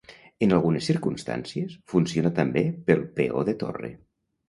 En algunes circumstàncies, funciona també pel peó de torre.